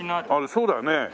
そうだよね。